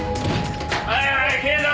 はいはい警察！